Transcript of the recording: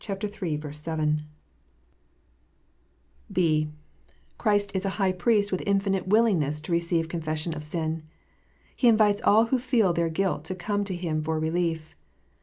267 (b) Christ is a High Priest of infinite ivillingness to receive con fession of sin. He invites all who feel their guilt to come to Him for relief.